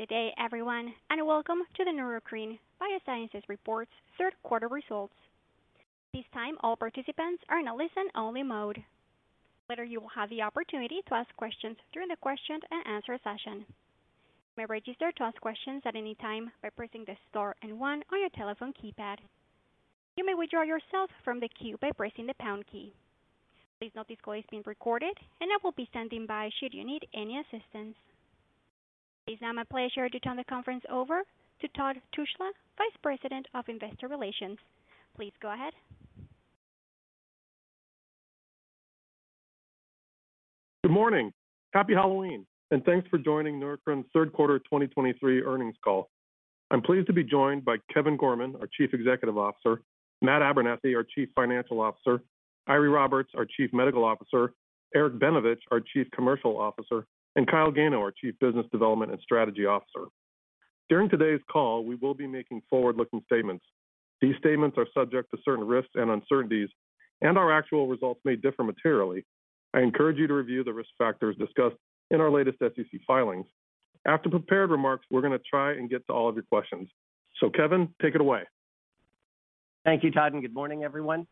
Good day, everyone, and welcome to the Neurocrine Biosciences Reports third quarter results. At this time, all participants are in a listen-only mode. Later, you will have the opportunity to ask questions during the question-and-answer session. You may register to ask questions at any time by pressing the star and one on your telephone keypad. You may withdraw yourself from the queue by pressing the pound key. Please note this call is being recorded, and I will be standing by should you need any assistance. It is now my pleasure to turn the conference over to Todd Tushla, Vice President of Investor Relations. Please go ahead. Good morning. Happy Halloween, and thanks for joining Neurocrine's third quarter 2023 earnings call. I'm pleased to be joined by Kevin Gorman, our Chief Executive Officer, Matt Abernethy, our Chief Financial Officer, Eiry Roberts, our Chief Medical Officer, Eric Benevich, our Chief Commercial Officer, and Kyle Gano, our Chief Business Development and Strategy Officer. During today's call, we will be making forward-looking statements. These statements are subject to certain risks and uncertainties, and our actual results may differ materially. I encourage you to review the risk factors discussed in our latest SEC filings. After prepared remarks, we're going to try and get to all of your questions. So Kevin, take it away. Thank you, Todd, and good morning, everyone.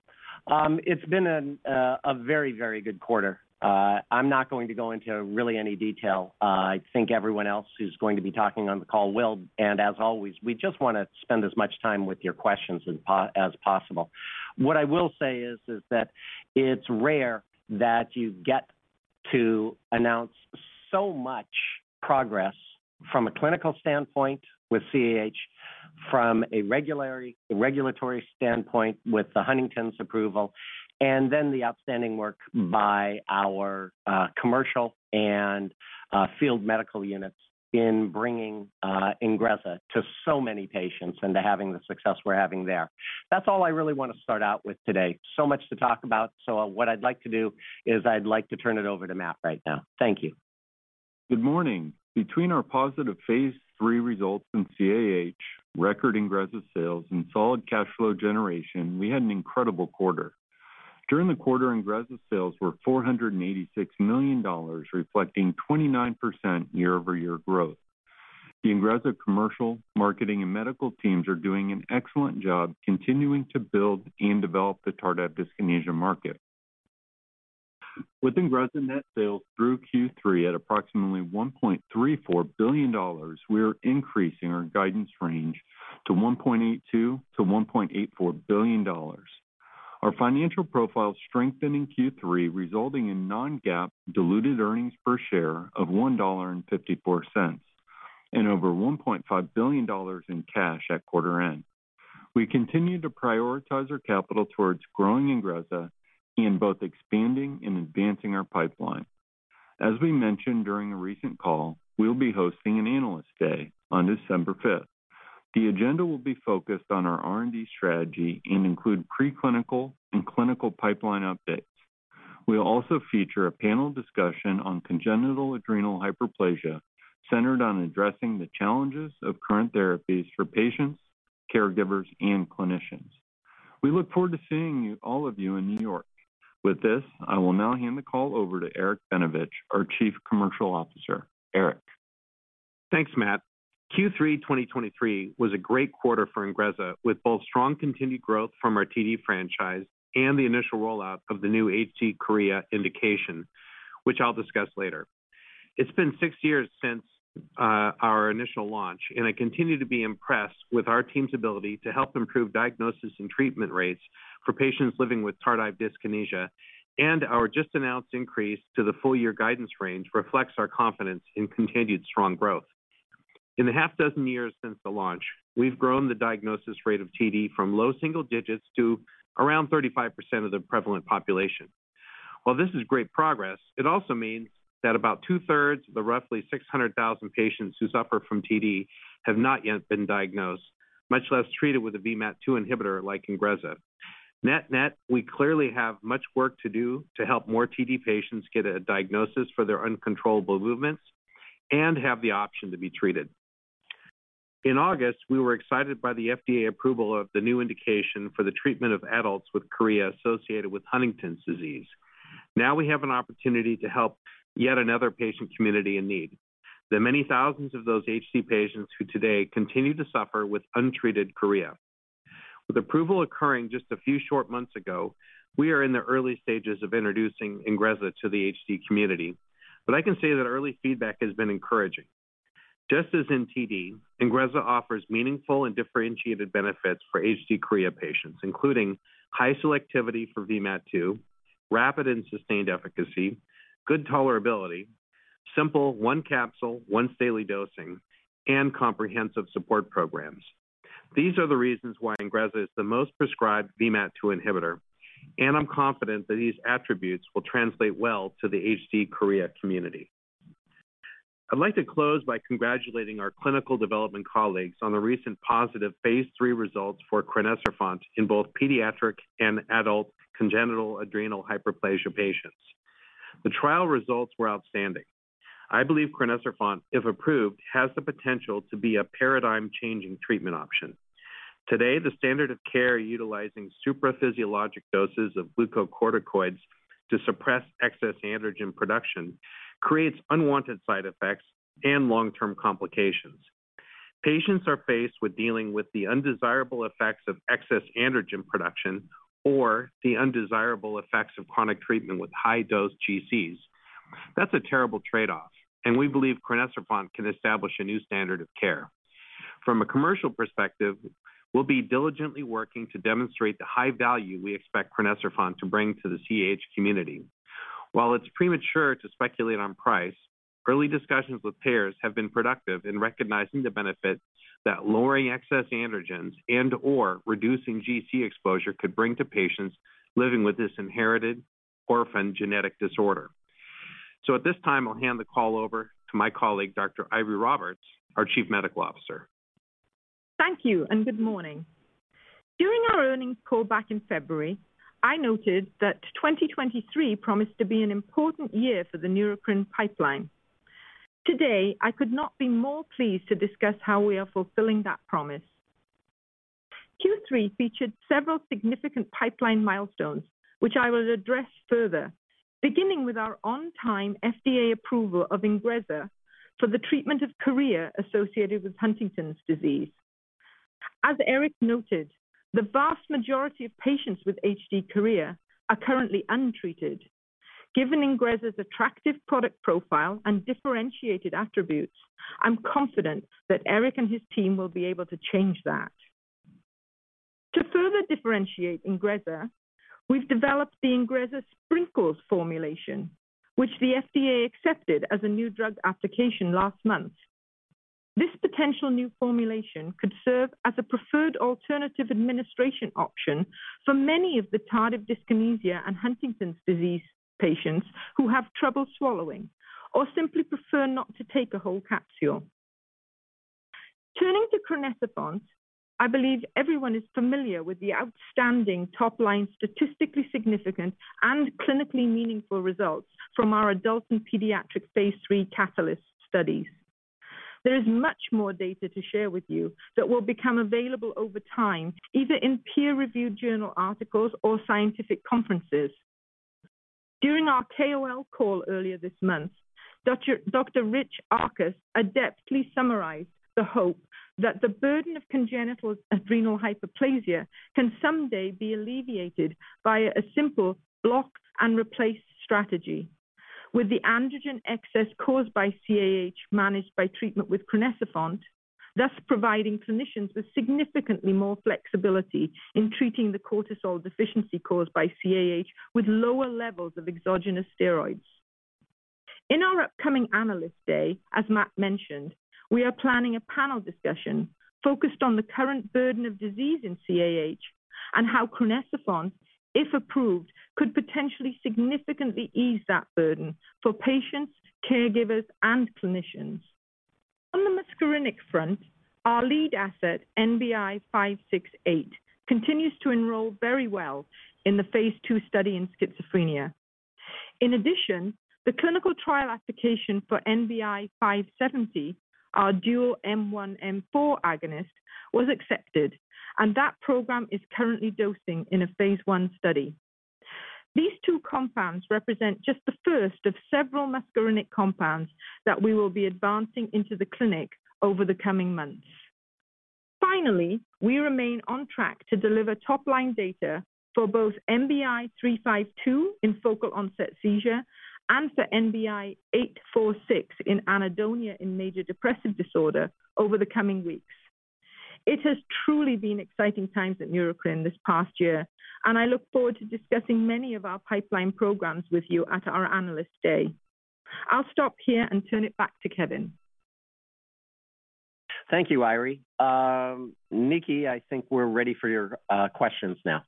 It's been a very, very good quarter. I'm not going to go into really any detail. I think everyone else who's going to be talking on the call will, and as always, we just want to spend as much time with your questions as possible. What I will say is that it's rare that you get to announce so much progress from a clinical standpoint with CAH, from a regulatory standpoint with the Huntington's approval, and then the outstanding work by our commercial and field medical units in bringing INGREZZA to so many patients and to having the success we're having there. That's all I really want to start out with today. So much to talk about. What I'd like to do is I'd like to turn it over to Matt right now. Thank you. Good morning. Between our positive Phase 3 results in CAH, record INGREZZA sales, and solid cash flow generation, we had an incredible quarter. During the quarter, INGREZZA sales were $486 million, reflecting 29% year-over-year growth. The INGREZZA commercial, marketing, and medical teams are doing an excellent job continuing to build and develop the tardive dyskinesia market. With INGREZZA net sales through Q3 at approximately $1.34 billion, we are increasing our guidance range to $1.82 billion-$1.84 billion. Our financial profile strengthened in Q3, resulting in non-GAAP diluted earnings per share of $1.54 and over $1.5 billion in cash at quarter end. We continue to prioritize our capital towards growing INGREZZA and both expanding and advancing our pipeline. As we mentioned during a recent call, we'll be hosting an Analyst Day on December fifth. The agenda will be focused on our R&D strategy and include preclinical and clinical pipeline updates. We'll also feature a panel discussion on congenital adrenal hyperplasia, centered on addressing the challenges of current therapies for patients, caregivers, and clinicians. We look forward to seeing you, all of you in New York. With this, I will now hand the call over to Eric Benevich, our Chief Commercial Officer. Eric. Thanks, Matt. Q3 2023 was a great quarter for INGREZZA, with both strong continued growth from our TD franchise and the initial rollout of the new HD chorea indication, which I'll discuss later. It's been six years since our initial launch, and I continue to be impressed with our team's ability to help improve diagnosis and treatment rates for patients living with tardive dyskinesia, and our just-announced increase to the full-year guidance range reflects our confidence in continued strong growth. In the half-dozen years since the launch, we've grown the diagnosis rate of TD from low single digits to around 35% of the prevalent population. While this is great progress, it also means that about two-thirds of the roughly 600,000 patients who suffer from TD have not yet been diagnosed, much less treated with a VMAT2 inhibitor like INGREZZA. Net-net, we clearly have much work to do to help more TD patients get a diagnosis for their uncontrollable movements and have the option to be treated. In August, we were excited by the FDA approval of the new indication for the treatment of adults with chorea associated with Huntington's disease. Now we have an opportunity to help yet another patient community in need, the many thousands of those HD patients who today continue to suffer with untreated chorea. With approval occurring just a few short months ago, we are in the early stages of introducing INGREZZA to the HD community, but I can say that early feedback has been encouraging. Just as in TD, INGREZZA offers meaningful and differentiated benefits for HD chorea patients, including high selectivity for VMAT2, rapid and sustained efficacy, good tolerability, simple one capsule, once daily dosing, and comprehensive support programs. These are the reasons why INGREZZA is the most prescribed VMAT2 inhibitor, and I'm confident that these attributes will translate well to the HD chorea community. I'd like to close by congratulating our clinical development colleagues on the recent positive Phase 3 results for crinecerfont in both pediatric and adult congenital adrenal hyperplasia patients. The trial results were outstanding. I believe crinecerfont, if approved, has the potential to be a paradigm-changing treatment option. Today, the standard of care utilizing supraphysiologic doses of glucocorticoids to suppress excess androgen production creates unwanted side effects and long-term complications. Patients are faced with dealing with the undesirable effects of excess androgen production or the undesirable effects of chronic treatment with high-dose GCs. That's a terrible trade-off, and we believe crinecerfont can establish a new standard of care. From a commercial perspective, we'll be diligently working to demonstrate the high value we expect crinecerfont to bring to the CAH community. While it's premature to speculate on price, early discussions with payers have been productive in recognizing the benefits that lowering excess androgens and/or reducing GC exposure could bring to patients living with this inherited orphan genetic disorder. At this time, I'll hand the call over to my colleague, Dr. Eiry Roberts, our Chief Medical Officer. Thank you, and good morning. During our earnings call back in February, I noted that 2023 promised to be an important year for the Neurocrine pipeline. Today, I could not be more pleased to discuss how we are fulfilling that promise. Q3 featured several significant pipeline milestones, which I will address further, beginning with our on-time FDA approval of INGREZZA for the treatment of chorea associated with Huntington's disease. As Eric noted, the vast majority of patients with HD chorea are currently untreated. Given INGREZZA's attractive product profile and differentiated attributes, I'm confident that Eric and his team will be able to change that. To further differentiate INGREZZA, we've developed the INGREZZA Sprinkle formulation, which the FDA accepted as a new drug application last month. This potential new formulation could serve as a preferred alternative administration option for many of the tardive dyskinesia and Huntington's disease patients who have trouble swallowing or simply prefer not to take a whole capsule. Turning to crinecerfont, I believe everyone is familiar with the outstanding top-line, statistically significant and clinically meaningful results from our adult and pediatric Phase 3 CAHtalyst studies. There is much more data to share with you that will become available over time, either in peer-reviewed journal articles or scientific conferences. During our KOL call earlier this month, Dr. Richard Auchus adeptly summarized the hope that the burden of congenital adrenal hyperplasia can someday be alleviated by a simple block and replace strategy, with the androgen excess caused by CAH managed by treatment with crinecerfont, thus providing clinicians with significantly more flexibility in treating the cortisol deficiency caused by CAH with lower levels of exogenous steroids. In our upcoming Analyst Day, as Matt mentioned, we are planning a panel discussion focused on the current burden of disease in CAH and how crinecerfont, if approved, could potentially significantly ease that burden for patients, caregivers, and clinicians. On the muscarinic front, our lead asset, NBI-568, continues to enroll very well in the Phase 2 study in schizophrenia. In addition, the clinical trial application for NBI-570, our dual M1/M4 agonist, was accepted, and that program is currently dosing in a Phase 1 study. These two compounds represent just the first of several muscarinic compounds that we will be advancing into the clinic over the coming months. Finally, we remain on track to deliver top-line data for both NBI-352 in focal onset seizure and for NBI-846 in anhedonia in major depressive disorder over the coming weeks. It has truly been exciting times at Neurocrine this past year, and I look forward to discussing many of our pipeline programs with you at our Analyst Day. I'll stop here and turn it back to Kevin. Thank you, Eiry. Nikki, I think we're ready for your questions now.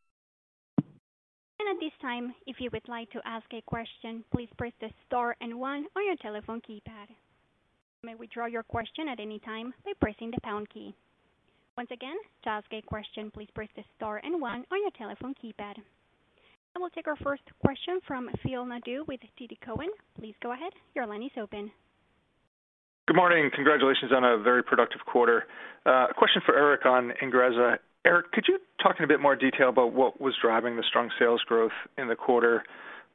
At this time, if you would like to ask a question, please press the star and one on your telephone keypad. You may withdraw your question at any time by pressing the pound key. Once again, to ask a question, please press the star and one on your telephone keypad. I will take our first question from Phil Nadeau with TD Cowen. Please go ahead. Your line is open. Good morning, and congratulations on a very productive quarter. A question for Eric on INGREZZA. Eric, could you talk in a bit more detail about what was driving the strong sales growth in the quarter?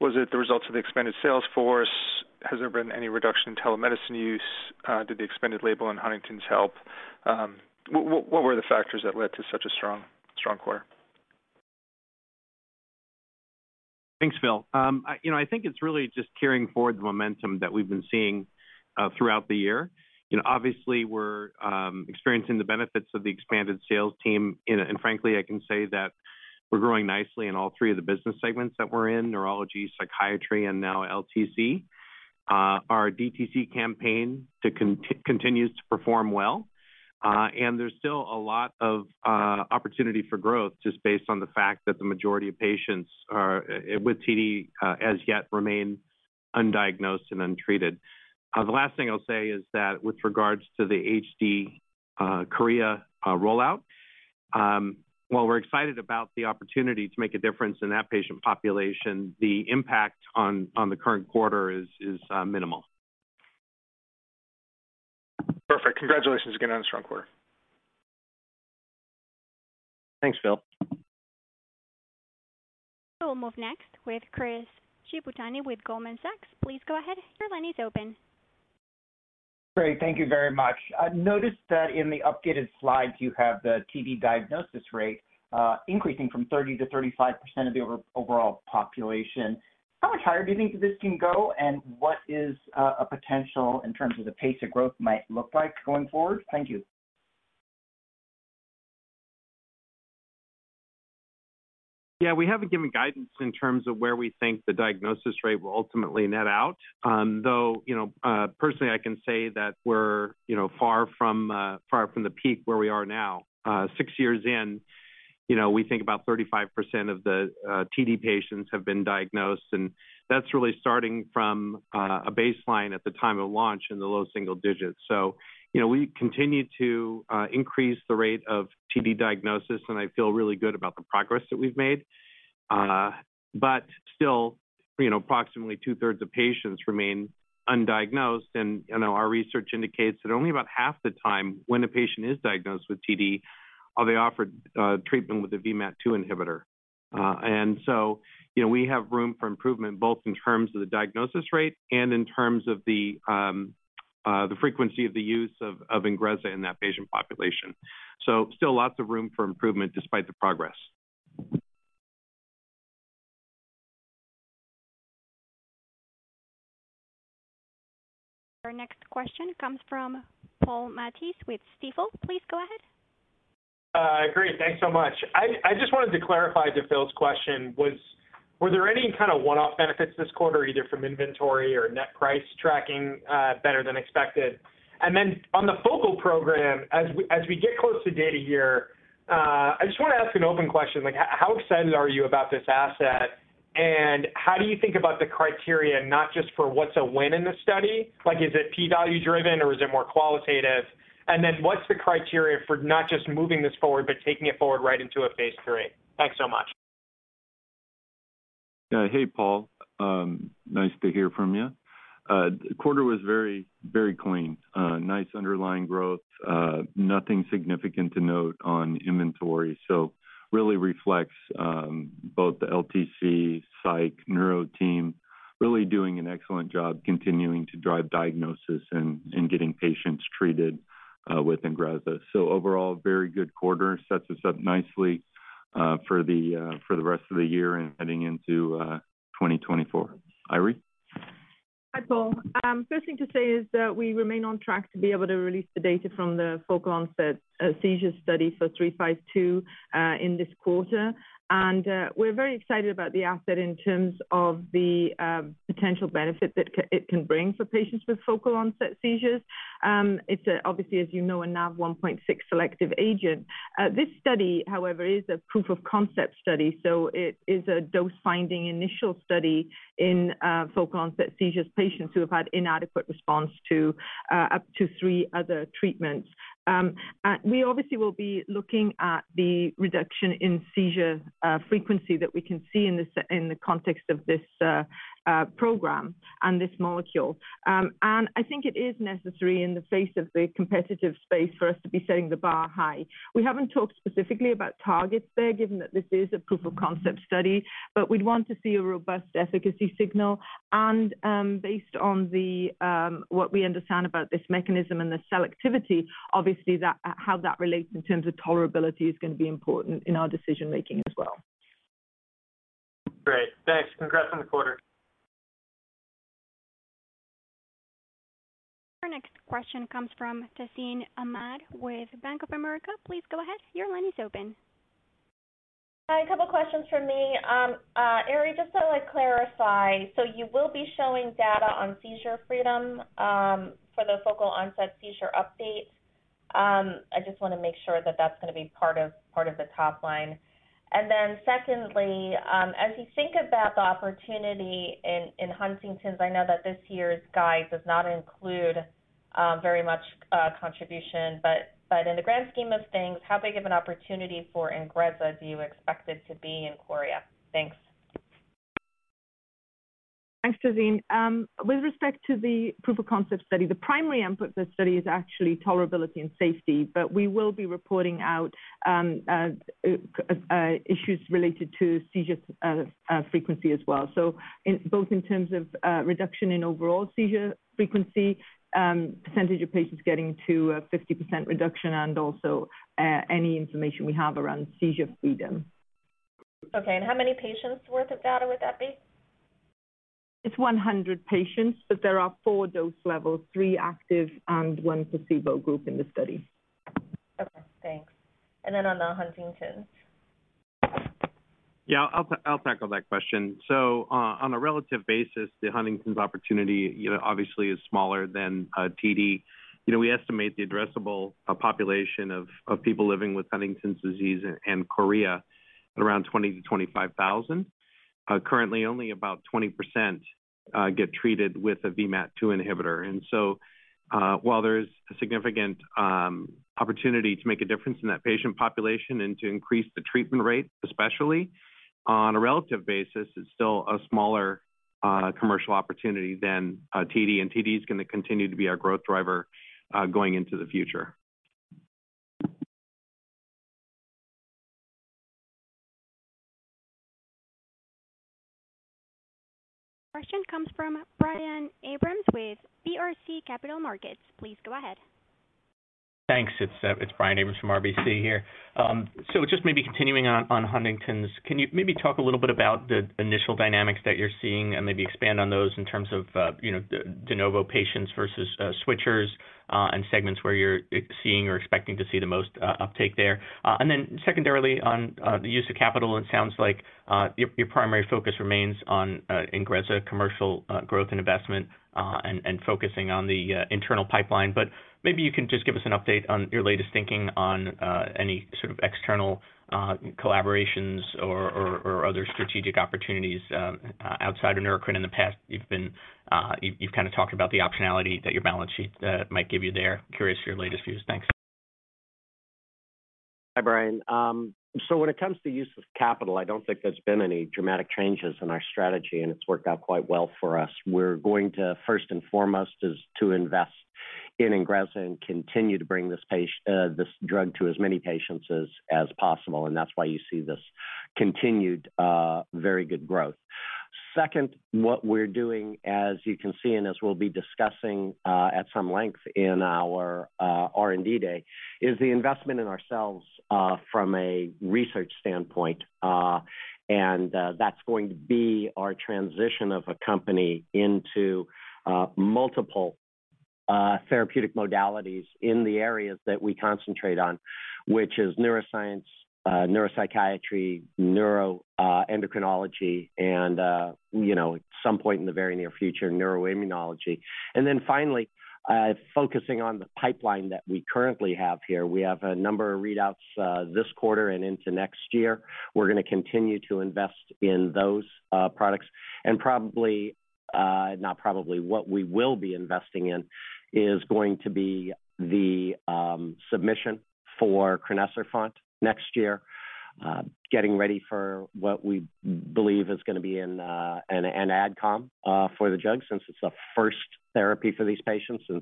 Was it the results of the expanded sales force? Has there been any reduction in telemedicine use? Did the expanded label on Huntington's help? What were the factors that led to such a strong, strong quarter? Thanks, Phil. You know, I think it's really just carrying forward the momentum that we've been seeing throughout the year. You know, obviously we're experiencing the benefits of the expanded sales team, and frankly, I can say that we're growing nicely in all three of the business segments that we're in, neurology, psychiatry, and now LTC. Our DTC campaign continues to perform well, and there's still a lot of opportunity for growth just based on the fact that the majority of patients are with TD as yet remain undiagnosed and untreated. The last thing I'll say is that with regards to the HD chorea rollout, while we're excited about the opportunity to make a difference in that patient population, the impact on the current quarter is minimal. ... Perfect. Congratulations again on a strong quarter. Thanks, Phil. We'll move next with Chris Shibutani with Goldman Sachs. Please go ahead. Your line is open. Great, thank you very much. I noticed that in the updated slides, you have the TD diagnosis rate increasing from 30%-35% of the overall population. How much higher do you think this can go? And what is a potential in terms of the pace of growth might look like going forward? Thank you. Yeah, we haven't given guidance in terms of where we think the diagnosis rate will ultimately net out. Though, you know, personally, I can say that we're, you know, far from far from the peak where we are now. Six years in, you know, we think about 35% of the TD patients have been diagnosed, and that's really starting from a baseline at the time of launch in the low single digits. So, you know, we continue to increase the rate of TD diagnosis, and I feel really good about the progress that we've made. But still, you know, approximately two-thirds of patients remain undiagnosed. And, you know, our research indicates that only about half the time when a patient is diagnosed with TD, are they offered treatment with a VMAT2 inhibitor. So, you know, we have room for improvement, both in terms of the diagnosis rate and in terms of the frequency of the use of INGREZZA in that patient population. So still lots of room for improvement despite the progress. Our next question comes from Paul Matteis with Stifel. Please go ahead. Great, thanks so much. I just wanted to clarify to Phil's question, were there any kind of one-off benefits this quarter, either from inventory or net price tracking, better than expected? And then on the focal program, as we get close to data here, I just want to ask an open question, like, how excited are you about this asset, and how do you think about the criteria, not just for what's a win in the study? Like, is it P-value driven, or is it more qualitative? And then what's the criteria for not just moving this forward, but taking it forward right into a Phase 3? Thanks so much. Hey, Paul. Nice to hear from you. The quarter was very, very clean. Nice underlying growth, nothing significant to note on inventory. So really reflects both the LTC, psych, neuro team, really doing an excellent job continuing to drive diagnosis and, and getting patients treated with INGREZZA. So overall, very good quarter. Sets us up nicely for the rest of the year and heading into 2024. Eiry? Hi, Paul. First thing to say is that we remain on track to be able to release the data from the focal onset seizure study for 352 in this quarter. And we're very excited about the asset in terms of the potential benefit that it can bring for patients with focal onset seizures. It's obviously, as you know, a NaV1.6 selective agent. This study, however, is a proof of concept study, so it is a dose-finding initial study in focal onset seizures patients who have had inadequate response to up to three other treatments. And we obviously will be looking at the reduction in seizure frequency that we can see in the context of this program and this molecule. and I think it is necessary in the face of the competitive space for us to be setting the bar high. We haven't talked specifically about targets there, given that this is a proof of concept study, but we'd want to see a robust efficacy signal. And, based on what we understand about this mechanism and the selectivity, obviously, that, how that relates in terms of tolerability is going to be important in our decision making as well. Great. Thanks. Congrats on the quarter. Our next question comes from Tazeen Ahmad with Bank of America. Please go ahead. Your line is open. Hi, a couple questions from me. Eiry, just to like clarify, so you will be showing data on seizure freedom for the focal onset seizure update? I just want to make sure that that's going to be part of, part of the top line. And then secondly, as you think about the opportunity in, in Huntington's, I know that this year's guide does not include very much contribution, but, but in the grand scheme of things, how big of an opportunity for INGREZZA do you expect it to be in chorea? Thanks. Thanks, Tazeen. With respect to the proof of concept study, the primary endpoint of the study is actually tolerability and safety, but we will be reporting out issues related to seizure frequency as well. So in both in terms of reduction in overall seizure frequency, percentage of patients getting to a 50% reduction, and also any information we have around seizure freedom. Okay, and how many patients worth of data would that be? It's 100 patients, but there are four dose levels, three active and one placebo group in the study. Okay, thanks. And then on the Huntington's? Yeah, I'll tackle that question. So, on a relative basis, the Huntington's opportunity, you know, obviously is smaller than, TD. You know, we estimate the addressable, population of, people living with Huntington's disease and chorea at around 20,000-25,000. Currently, only about 20%, get treated with a VMAT2 inhibitor. And so, while there is a significant, opportunity to make a difference in that patient population and to increase the treatment rate, especially on a relative basis, it's still a smaller, commercial opportunity than, TD. And TD is going to continue to be our growth driver, going into the future.... Question comes from Brian Abrahams with RBC Capital Markets. Please go ahead. Thanks. It's Brian Abrahams from RBC here. So just maybe continuing on Huntington's, can you maybe talk a little bit about the initial dynamics that you're seeing and maybe expand on those in terms of, you know, de novo patients versus switchers, and segments where you're seeing or expecting to see the most uptake there? And then secondarily, on the use of capital, it sounds like your primary focus remains on INGREZZA commercial growth and investment, and focusing on the internal pipeline. But maybe you can just give us an update on your latest thinking on any sort of external collaborations or other strategic opportunities outside of Neurocrine. In the past, you've been, you've kind of talked about the optionality that your balance sheet might give you there. Curious your latest views? Thanks. Hi, Brian. So when it comes to use of capital, I don't think there's been any dramatic changes in our strategy, and it's worked out quite well for us. We're going to, first and foremost, is to invest in INGREZZA and continue to bring this drug to as many patients as possible, and that's why you see this continued very good growth. Second, what we're doing, as you can see and as we'll be discussing at some length in our R&D Day, is the investment in ourselves from a research standpoint. And that's going to be our transition of a company into multiple therapeutic modalities in the areas that we concentrate on, which is neuroscience, neuropsychiatry, neuroendocrinology, and you know, at some point in the very near future, neuroimmunology. And then finally, focusing on the pipeline that we currently have here. We have a number of readouts, this quarter and into next year. We're going to continue to invest in those, products. And probably, not probably, what we will be investing in is going to be the, submission for crinecerfont next year, getting ready for what we believe is going to be an, an AdCom, for the drug, since it's a first therapy for these patients in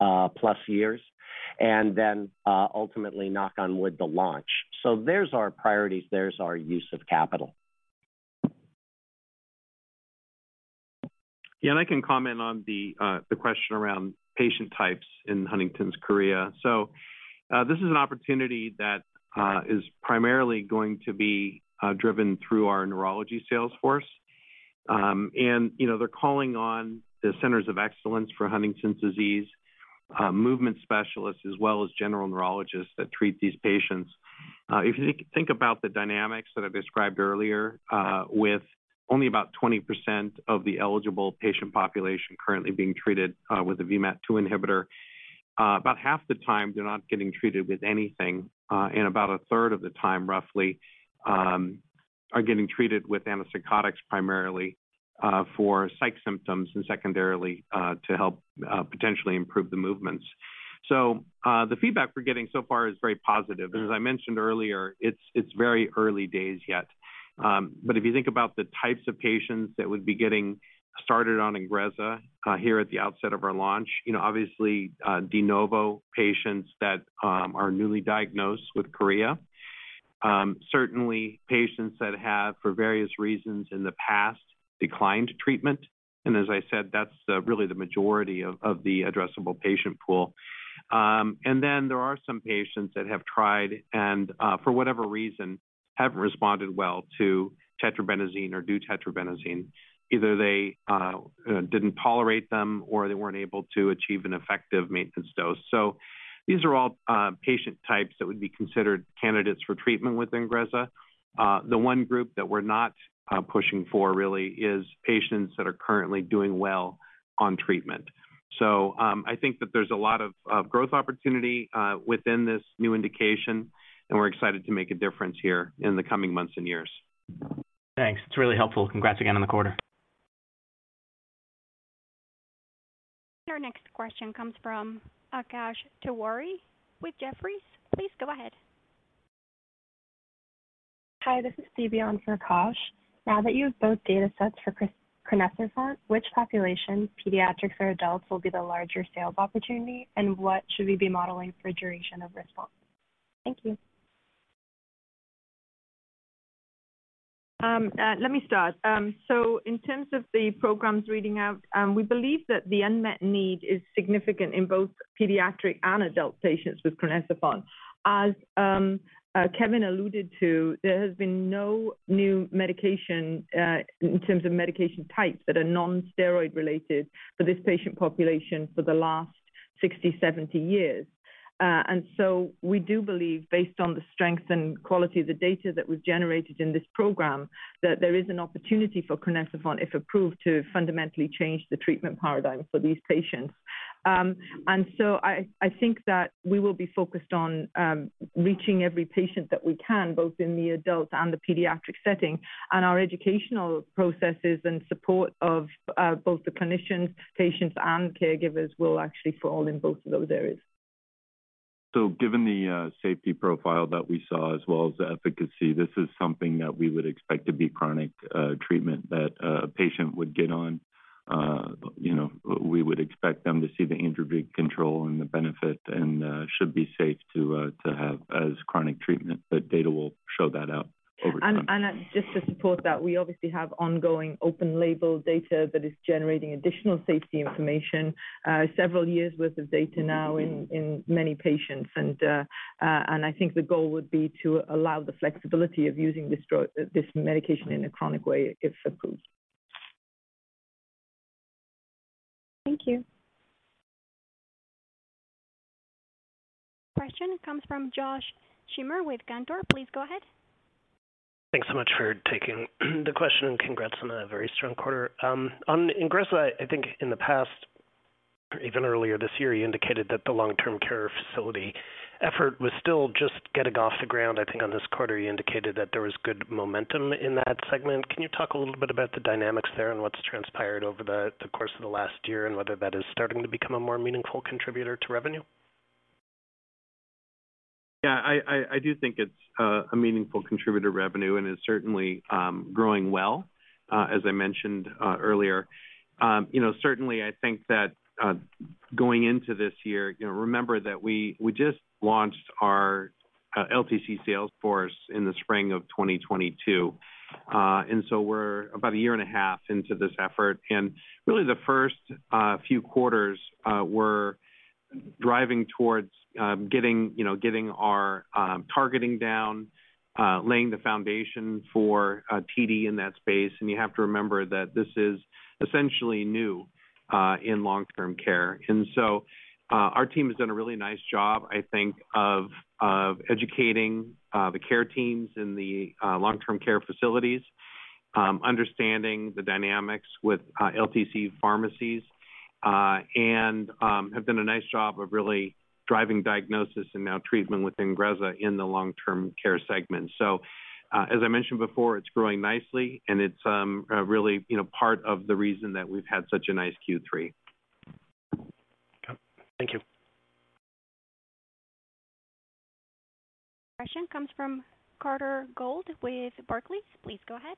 60+ years, and then, ultimately, knock on wood, the launch. So there's our priorities, there's our use of capital. Yeah, and I can comment on the question around patient types in Huntington's chorea. So, this is an opportunity that is primarily going to be driven through our neurology sales force. And, you know, they're calling on the centers of excellence for Huntington's disease, movement specialists, as well as general neurologists that treat these patients. If you think about the dynamics that I described earlier, with only about 20% of the eligible patient population currently being treated with a VMAT2 inhibitor, about half the time, they're not getting treated with anything, and about a third of the time, roughly, are getting treated with antipsychotics, primarily for psych symptoms and secondarily to help potentially improve the movements. So, the feedback we're getting so far is very positive. As I mentioned earlier, it's very early days yet. But if you think about the types of patients that would be getting started on INGREZZA, here at the outset of our launch, you know, obviously, de novo patients that are newly diagnosed with chorea, certainly patients that have, for various reasons in the past, declined treatment. And as I said, that's really the majority of the addressable patient pool. And then there are some patients that have tried and, for whatever reason, haven't responded well to tetrabenazine or deutetrabenazine. Either they didn't tolerate them or they weren't able to achieve an effective maintenance dose. So these are all patient types that would be considered candidates for treatment with INGREZZA. The one group that we're not pushing for really is patients that are currently doing well on treatment. So, I think that there's a lot of growth opportunity within this new indication, and we're excited to make a difference here in the coming months and years. Thanks. It's really helpful. Congrats again on the quarter. Our next question comes from Akash Tewari with Jefferies. Please go ahead. Hi, this is Phoebe on for Akash. Now that you have both datasets for crinecerfont, which population, pediatrics or adults, will be the larger sales opportunity, and what should we be modeling for duration of response? Thank you. Let me start. So in terms of the programs reading out, we believe that the unmet need is significant in both pediatric and adult patients with crinecerfont. As Kevin alluded to, there has been no new medication in terms of medication types that are non-steroid related for this patient population for the last 60-70 years. And so we do believe, based on the strength and quality of the data that we've generated in this program, that there is an opportunity for crinecerfont, if approved, to fundamentally change the treatment paradigm for these patients. And so I think that we will be focused on reaching every patient that we can, both in the adult and the pediatric setting. Our educational processes and support of both the clinicians, patients, and caregivers will actually fall in both of those areas. So given the safety profile that we saw as well as the efficacy, this is something that we would expect to be chronic treatment that a patient would get on, you know, we would expect them to see the androgen control and the benefit, and should be safe to have as chronic treatment. But data will show that out over time. Just to support that, we obviously have ongoing open label data that is generating additional safety information, several years worth of data now in many patients. And I think the goal would be to allow the flexibility of using this drug, this medication, in a chronic way, if approved. Thank you. Question comes from Josh Schimmer with Cantor. Please go ahead. Thanks so much for taking the question, and congrats on a very strong quarter. On INGREZZA, I think in the past, even earlier this year, you indicated that the long-term care facility effort was still just getting off the ground. I think on this quarter, you indicated that there was good momentum in that segment. Can you talk a little bit about the dynamics there and what's transpired over the course of the last year, and whether that is starting to become a more meaningful contributor to revenue? Yeah, I do think it's a meaningful contributor revenue and is certainly growing well, as I mentioned, earlier. You know, certainly I think that, going into this year, you know, remember that we just launched our LTC sales force in the spring of 2022. And so we're about a year and a half into this effort, and really the first few quarters were driving towards getting, you know, getting our targeting down, laying the foundation for TD in that space. And you have to remember that this is essentially new in long-term care. And so, our team has done a really nice job, I think, of educating the care teams in the long-term care facilities, understanding the dynamics with LTC pharmacies, and have done a nice job of really driving diagnosis and now treatment with INGREZZA in the long-term care segment. So, as I mentioned before, it's growing nicely, and it's really, you know, part of the reason that we've had such a nice Q3. Okay. Thank you. Question comes from Carter Gould with Barclays. Please go ahead.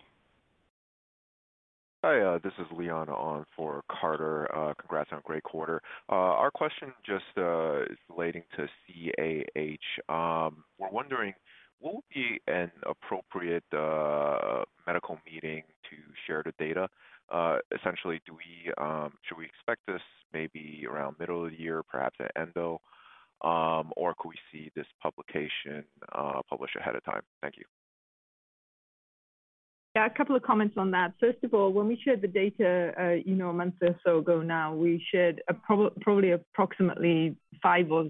Hi, this is Leon on for Carter. Congrats on a great quarter. Our question just is relating to CAH. We're wondering, what would be an appropriate medical meeting to share the data? Essentially, do we, should we expect this maybe around middle of the year, perhaps at ENDO, or could we see this publication published ahead of time? Thank you. Yeah, a couple of comments on that. First of all, when we shared the data, you know, a month or so ago now, we shared probably approximately 5% or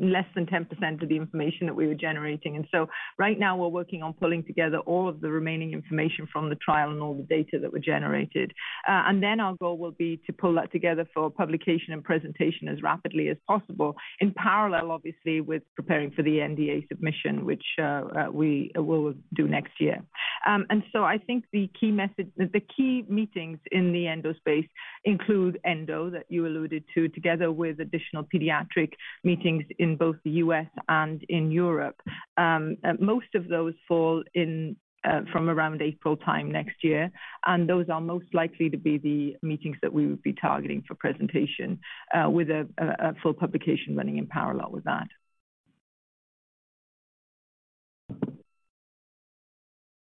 less than 10% of the information that we were generating. And so right now, we're working on pulling together all of the remaining information from the trial and all the data that were generated. And then our goal will be to pull that together for publication and presentation as rapidly as possible, in parallel, obviously, with preparing for the NDA submission, which we will do next year. And so I think the key message... The key meetings in the ENDO space include ENDO, that you alluded to, together with additional pediatric meetings in both the U.S. and in Europe. Most of those fall in from around April time next year, and those are most likely to be the meetings that we would be targeting for presentation with a full publication running in parallel with that.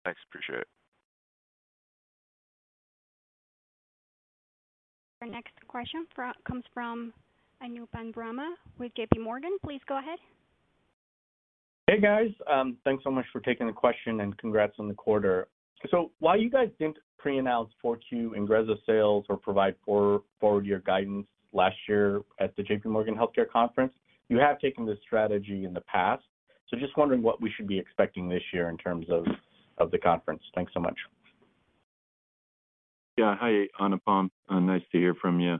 Thanks, appreciate it. Our next question comes from Anupam Rama with JPMorgan. Please go ahead. Hey, guys. Thanks so much for taking the question, and congrats on the quarter. So while you guys didn't pre-announce Q4 INGREZZA sales or provide forward year guidance last year at the J.P. Morgan Healthcare Conference, you have taken this strategy in the past. So just wondering what we should be expecting this year in terms of the conference. Thanks so much. Yeah. Hi, Anupam. Nice to hear from you.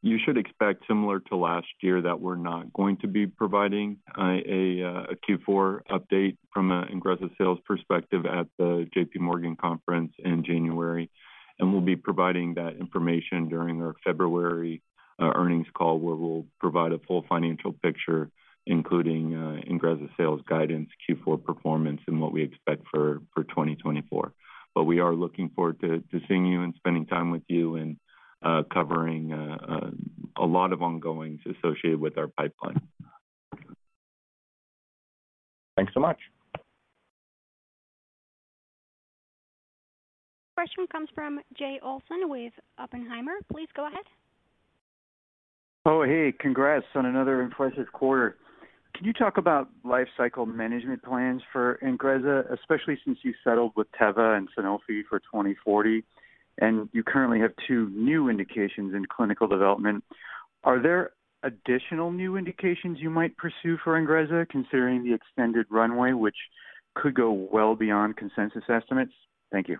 You should expect similar to last year, that we're not going to be providing a Q4 update from a INGREZZA sales perspective at the JP Morgan conference in January. We'll be providing that information during our February earnings call, where we'll provide a full financial picture, including INGREZZA sales guidance, Q4 performance, and what we expect for 2024. We are looking forward to seeing you and spending time with you and covering a lot of ongoings associated with our pipeline. Thanks so much. Question comes from Jay Olson with Oppenheimer. Please go ahead. Oh, hey, congrats on another impressive quarter. Can you talk about life cycle management plans for INGREZZA, especially since you settled with Teva and Sandoz for 2040, and you currently have two new indications in clinical development? Are there additional new indications you might pursue for INGREZZA, considering the extended runway, which could go well beyond consensus estimates? Thank you....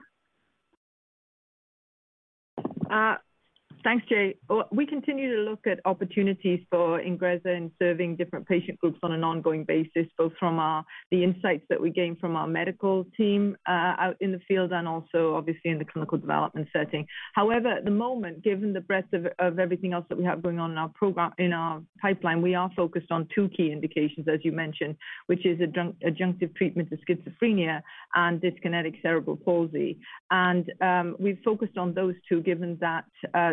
Thanks, Jay. Well, we continue to look at opportunities for INGREZZA in serving different patient groups on an ongoing basis, both from our, the insights that we gain from our medical team out in the field and also obviously in the clinical development setting. However, at the moment, given the breadth of, of everything else that we have going on in our program, in our pipeline, we are focused on two key indications, as you mentioned, which is adjunctive treatment of schizophrenia and dyskinetic cerebral palsy. And we've focused on those two, given that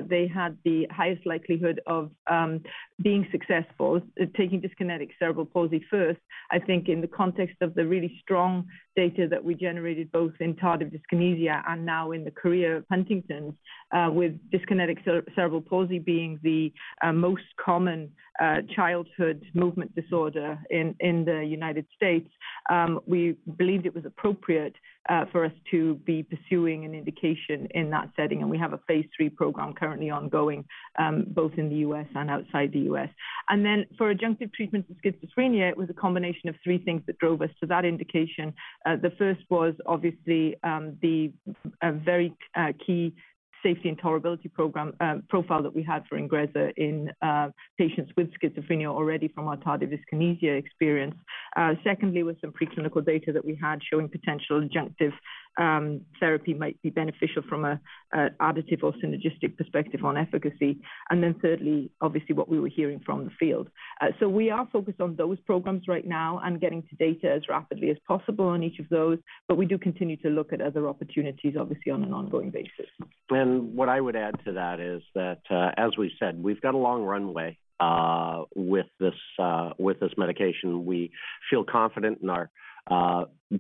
they had the highest likelihood of being successful. Taking dyskinetic cerebral palsy first, I think in the context of the really strong data that we generated, both in tardive dyskinesia and now in the chorea in Huntington's, with dyskinetic cerebral palsy being the most common childhood movement disorder in the United States, we believed it was appropriate for us to be pursuing an indication in that setting. We have a Phase 3 program currently ongoing, both in the U.S. and outside the U.S. For adjunctive treatment of schizophrenia, it was a combination of three things that drove us to that indication. The first was obviously a very key safety and tolerability profile that we had for INGREZZA in patients with schizophrenia already from our tardive dyskinesia experience. Secondly, with some preclinical data that we had showing potential adjunctive therapy might be beneficial from a additive or synergistic perspective on efficacy. And then thirdly, obviously, what we were hearing from the field. So we are focused on those programs right now and getting to data as rapidly as possible on each of those, but we do continue to look at other opportunities, obviously, on an ongoing basis. And what I would add to that is that, as we said, we've got a long runway, with this, with this medication. We feel confident in our,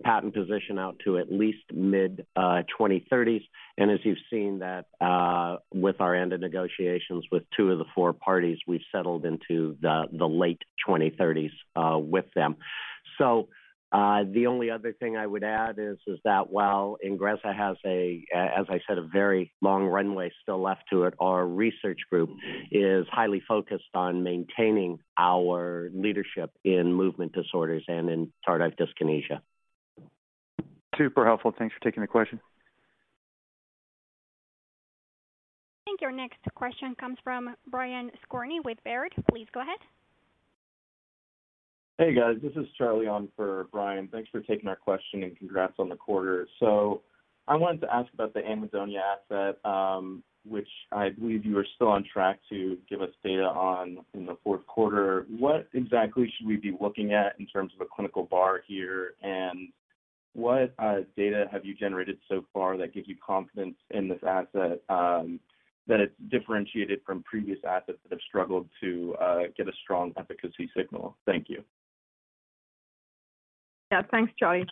patent position out to at least mid-2030s. And as you've seen that, with our end of negotiations with two of the four parties, we've settled into the, the late 2030s, with them. So, the only other thing I would add is, is that while INGREZZA has a, as I said, a very long runway still left to it, our research group is highly focused on maintaining our leadership in movement disorders and in tardive dyskinesia. Super helpful. Thanks for taking the question. I think your next question comes from Brian Skorney with Baird. Please go ahead. Hey, guys. This is Charlie on for Brian. Thanks for taking our question, and congrats on the quarter. I wanted to ask about the anhedonia asset, which I believe you are still on track to give us data on in the fourth quarter. What exactly should we be looking at in terms of a clinical bar here, and what data have you generated so far that gives you confidence in this asset, that it's differentiated from previous assets that have struggled to get a strong efficacy signal? Thank you. Yeah. Thanks, Charlie.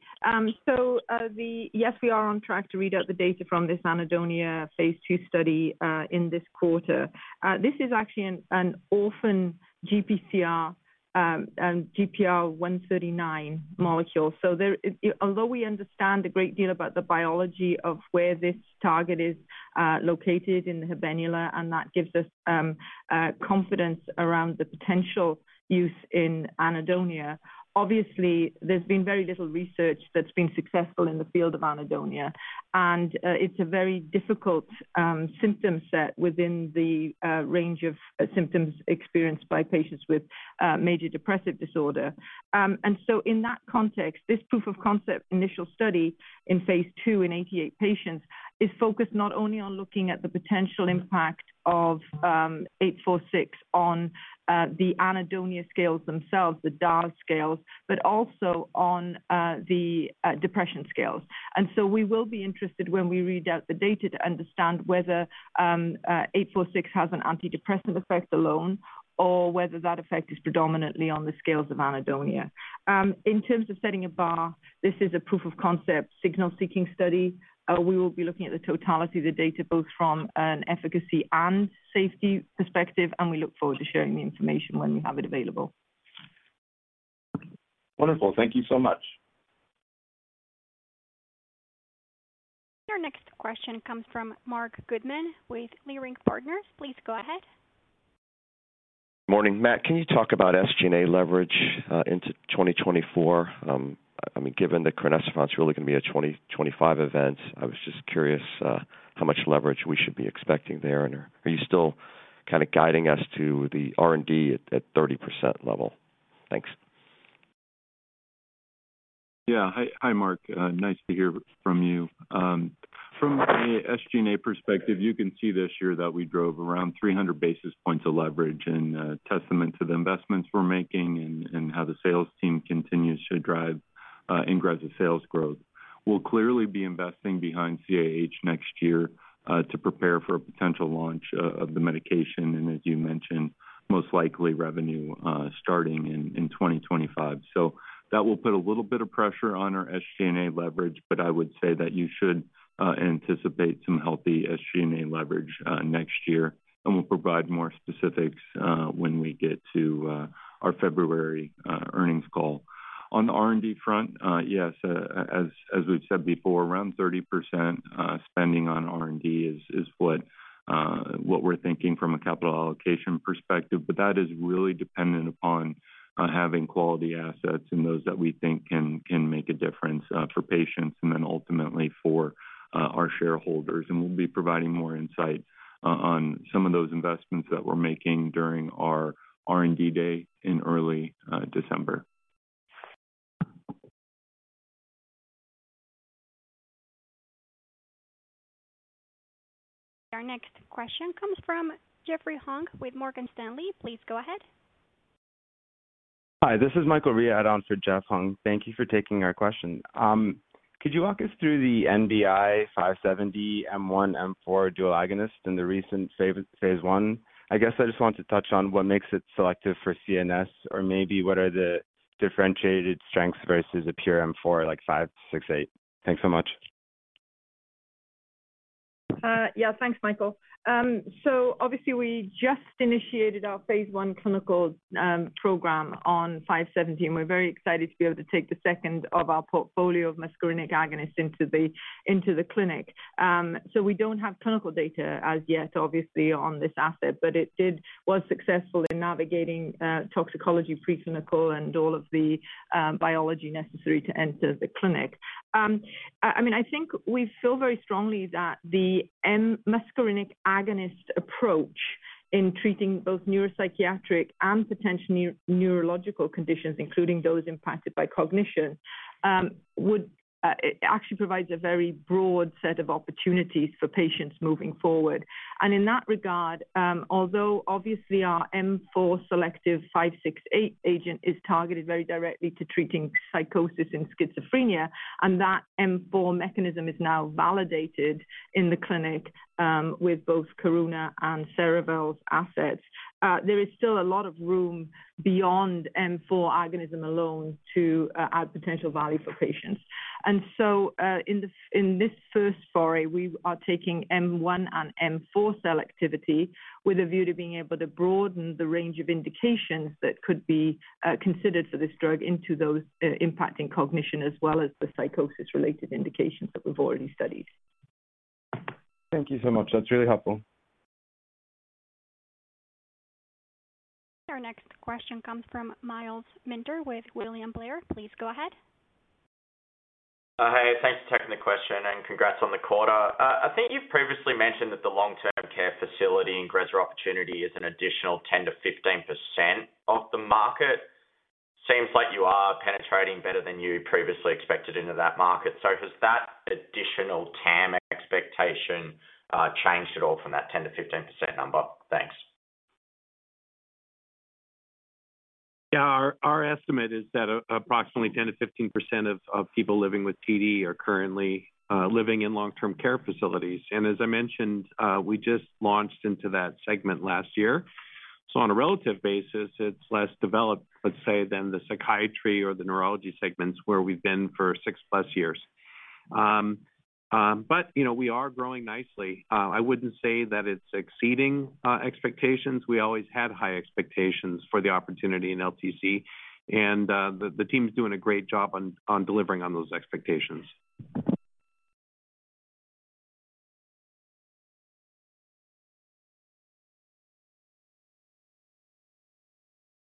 So, yes, we are on track to read out the data from this anhedonia Phase 2 study in this quarter. This is actually an orphan GPCR and GPR139 molecule. So, although we understand a great deal about the biology of where this target is located in the habenula, and that gives us confidence around the potential use in anhedonia, obviously, there's been very little research that's been successful in the field of anhedonia, and it's a very difficult symptom set within the range of symptoms experienced by patients with major depressive disorder. And so in that context, this proof of concept, initial study in Phase 2, in 88 patients, is focused not only on looking at the potential impact of 846 on the anhedonia scales themselves, the DARS scales, but also on the depression scales. And so we will be interested when we read out the data to understand whether 846 has an antidepressant effect alone or whether that effect is predominantly on the scales of anhedonia. In terms of setting a bar, this is a proof of concept, signal-seeking study. We will be looking at the totality of the data, both from an efficacy and safety perspective, and we look forward to sharing the information when we have it available. Wonderful. Thank you so much. Our next question comes from Marc Goodman with Leerink Partners. Please go ahead. Morning. Matt, can you talk about SG&A leverage into 2024? I mean, given that crinecerfont is really going to be a 2025 event, I was just curious how much leverage we should be expecting there. And are you still kind of guiding us to the R&D at 30% level? Thanks. Yeah. Hi, Mark. Nice to hear from you. From the SG&A perspective, you can see this year that we drove around 300 basis points of leverage and testament to the investments we're making and how the sales team continues to drive INGREZZA sales growth. We'll clearly be investing behind CAH next year to prepare for a potential launch of the medication, and as you mentioned, most likely revenue starting in 2025. So that will put a little bit of pressure on our SG&A leverage, but I would say that you should anticipate some healthy SG&A leverage next year, and we'll provide more specifics when we get to our February earnings call. On the R&D front, yes, as we've said before, around 30% spending on R&D is what- ...what we're thinking from a capital allocation perspective, but that is really dependent upon having quality assets and those that we think can make a difference for patients and then ultimately for our shareholders. And we'll be providing more insight on some of those investments that we're making during our R&D Day in early December. Our next question comes from Jeff Hung with Morgan Stanley. Please go ahead. Hi, this is Michael Riad on for Jeff Hung. Thank you for taking our question. Could you walk us through the NBI-570 M1/M4 dual agonist in the recent Phase 1? I guess I just want to touch on what makes it selective for CNS, or maybe what are the differentiated strengths versus a pure M4, like five, six, eight? Thanks so much. Yeah, thanks, Michael. So obviously, we just initiated our Phase 1 clinical program on 570, and we're very excited to be able to take the second of our portfolio of muscarinic agonists into the clinic. So we don't have clinical data as yet, obviously, on this asset, but it was successful in navigating toxicology, preclinical and all of the biology necessary to enter the clinic. I mean, I think we feel very strongly that the muscarinic agonist approach in treating both neuropsychiatric and potential neurological conditions, including those impacted by cognition, would it actually provides a very broad set of opportunities for patients moving forward. And in that regard, although obviously our M4 selective 568 agent is targeted very directly to treating psychosis and schizophrenia, and that M4 mechanism is now validated in the clinic, with both Karuna and Cerevel's assets, there is still a lot of room beyond M4 agonism alone to add potential value for patients. And so, in this first foray, we are taking M1 and M4 selective activity with a view to being able to broaden the range of indications that could be considered for this drug into those impacting cognition as well as the psychosis-related indications that we've already studied. Thank you so much. That's really helpful. Our next question comes from Myles Minter with William Blair. Please go ahead. Hey, thanks for taking the question, and congrats on the quarter. I think you've previously mentioned that the long-term care facility and INGREZZA opportunity is an additional 10%-15% of the market. Seems like you are penetrating better than you previously expected into that market. So has that additional TAM expectation changed at all from that 10%-15% number? Thanks. Yeah, our estimate is that approximately 10%-15% of people living with TD are currently living in long-term care facilities. And as I mentioned, we just launched into that segment last year. So on a relative basis, it's less developed, let's say, than the psychiatry or the neurology segments, where we've been for 6+ years. But, you know, we are growing nicely. I wouldn't say that it's exceeding expectations. We always had high expectations for the opportunity in LTC, and the team's doing a great job on delivering on those expectations.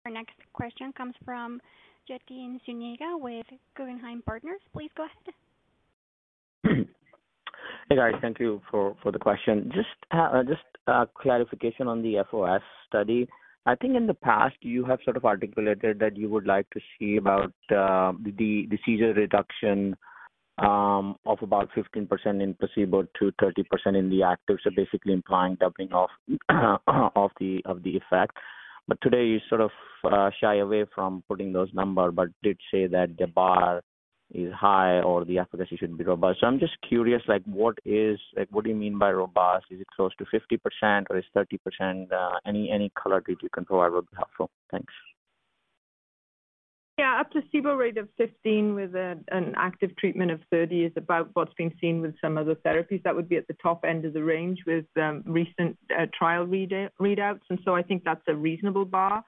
Our next question comes from Yatin Suneja with Guggenheim Partners. Please go ahead. Hey, guys. Thank you for the question. Just clarification on the FOS study. I think in the past you have sort of articulated that you would like to see about the seizure reduction of about 15% in placebo to 30% in the active, so basically implying doubling of the effect. But today, you sort of shy away from putting those number, but did say that the bar is high or the efficacy should be robust. So I'm just curious, like, what is... Like, what do you mean by robust? Is it close to 50% or is 30%? Any color that you can provide would be helpful. Thanks. Yeah, a placebo rate of 15 with an active treatment of 30 is about what's been seen with some other therapies. That would be at the top end of the range with recent trial readouts. And so I think that's a reasonable bar.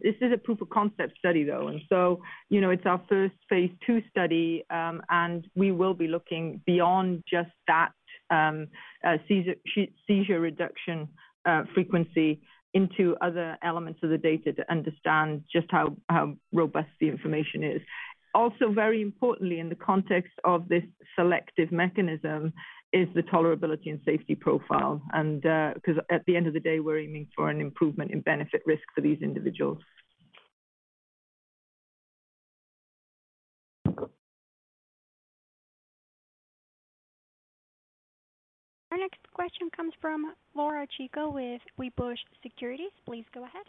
This is a proof of concept study, though. And so, you know, it's our first Phase 2 study, and we will be looking beyond just that seizure reduction frequency into other elements of the data to understand just how robust the information is. Also, very importantly, in the context of this selective mechanism, is the tolerability and safety profile, and 'cause at the end of the day, we're aiming for an improvement in benefit risk for these individuals. Our next question comes from Laura Chico with Wedbush Securities. Please go ahead.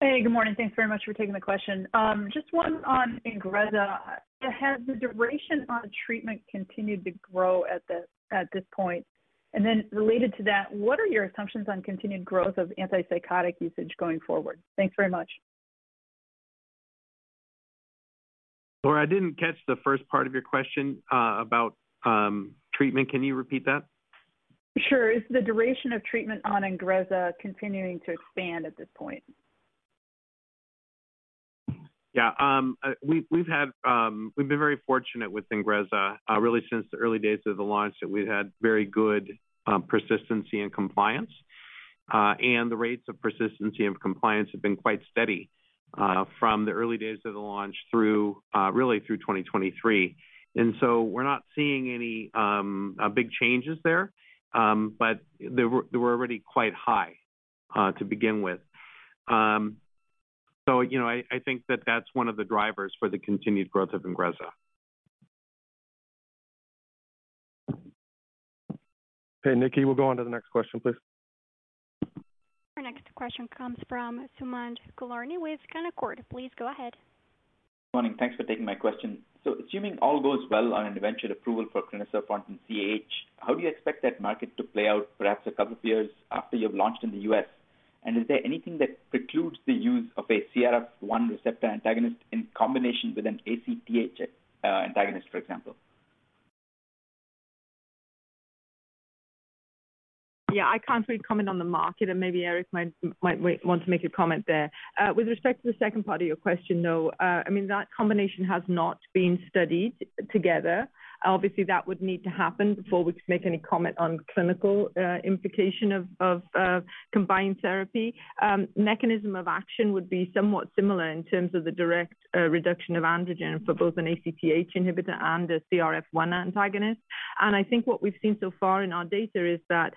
Hey, good morning. Thanks very much for taking the question. Just one on INGREZZA. Has the duration on treatment continued to grow at this point? And then related to that, what are your assumptions on continued growth of antipsychotic usage going forward? Thanks very much. Laura, I didn't catch the first part of your question, about treatment. Can you repeat that? Sure. Is the duration of treatment on INGREZZA continuing to expand at this point?... Yeah, we've been very fortunate with INGREZZA, really since the early days of the launch, that we've had very good persistency and compliance. And the rates of persistency and compliance have been quite steady, from the early days of the launch through really through 2023. And so we're not seeing any big changes there, but they were already quite high to begin with. So, you know, I think that that's one of the drivers for the continued growth of INGREZZA. Hey, Nikki, we'll go on to the next question, please. Our next question comes from Sumant Kulkarni with Canaccord. Please go ahead. Morning. Thanks for taking my question. So assuming all goes well on an eventual approval for crinecerfont and CAH, how do you expect that market to play out perhaps a couple of years after you've launched in the U.S.? And is there anything that precludes the use of a CRF1 receptor antagonist in combination with an ACTH antagonist, for example? Yeah, I can't really comment on the market, and maybe Eric might want to make a comment there. With respect to the second part of your question, though, I mean, that combination has not been studied together. Obviously, that would need to happen before we could make any comment on clinical implication of combined therapy. Mechanism of action would be somewhat similar in terms of the direct reduction of androgen for both an ACTH inhibitor and a CRF one antagonist. And I think what we've seen so far in our data is that